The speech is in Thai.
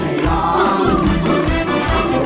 ร้องได้ให้ร้อน